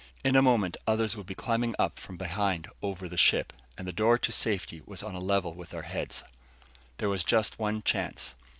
In a moment others would be climbing up from behind over the ship. And the door to safety was on a level with our heads. There was just one chance.